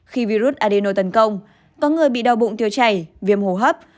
khi virus adeno tấn công có người bị đau bụng tiêu chảy viêm hồ hấp